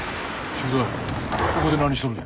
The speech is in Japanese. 駐在ここで何しとるんや？